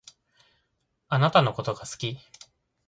あなたのことが好き。